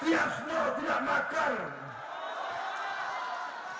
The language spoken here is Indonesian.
tiasno tidak makan